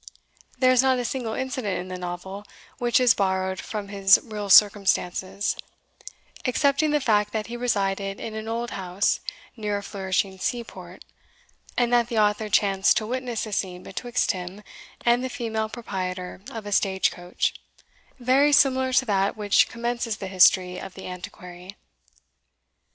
There is not a single incident in the Novel which is borrowed from his real circumstances, excepting the fact that he resided in an old house near a flourishing seaport, and that the author chanced to witness a scene betwixt him and the female proprietor of a stage coach, very similar to that which commences the history of the Antiquary.